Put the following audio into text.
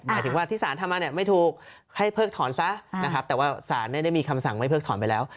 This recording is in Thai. หมายถึงว่าที่ศาลทำมาไม่ถูกให้เพิกถอนซะแต่ว่าศาลได้มีคำสั่งให้เพิกถอนไปแล้ว